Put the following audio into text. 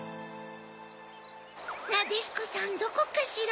なでしこさんどこかしら？